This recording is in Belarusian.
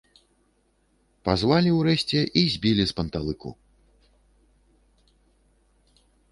Пазвалі ўрэшце і збілі з панталыку.